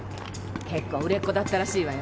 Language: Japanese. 結構売れっ子だったらしいわよ。